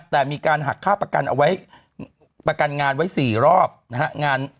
แต่มีการหักค่าประกันเอาไว้ประกันงานไว้๔รอบนะฮะ